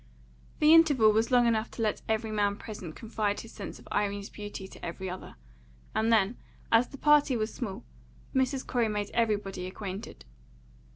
The interval was long enough to let every man present confide his sense of Irene's beauty to every other; and then, as the party was small, Mrs. Corey made everybody acquainted.